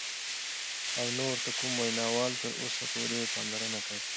او نه ورته کوم وینا وال تر اوسه پوره پاملرنه کړې،